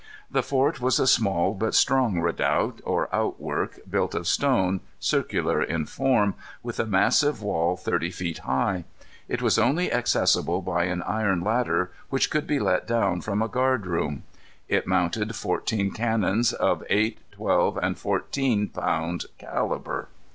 The fort was a small but strong redoubt, or outwork, built of stone, circular in form, with a massive wall thirty feet high. It was only accessible by an iron ladder which could be let down from a guard room. It mounted fourteen cannons, of eight, twelve, and fourteen pound calibre.